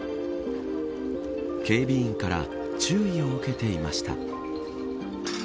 警備員から注意を受けていました。